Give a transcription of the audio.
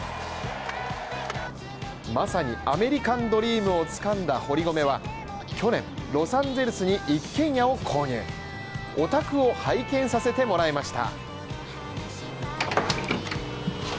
まさにアメリカンドリームをつかんだ堀米は去年ロサンゼルスに一軒家を購入お宅を拝見させてもらいました。